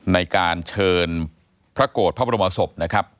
ในการเชิญพระโกรธพระบรมศพนะครับ